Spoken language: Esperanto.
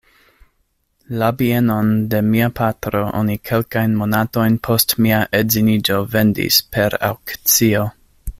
La bienon de mia patro oni kelkajn monatojn post mia edziniĝo vendis per aŭkcio.